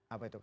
apa itu pak